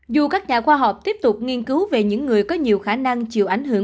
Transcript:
dù các nhà khoa học tiếp tục nghiên cứu về những người có nhiều khả năng chịu ảnh hưởng